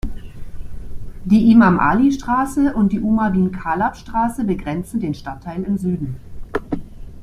Die Imam-Ali-Straße und die Umar-bin-Khalab-Straße begrenzen den Stadtteil im Süden.